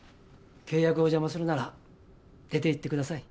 契約を邪魔するなら出ていってください。